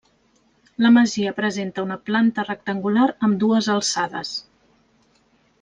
La masia presenta una planta rectangular amb dues alçades.